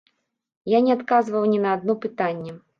Я не адказвала ні на адно пытанне.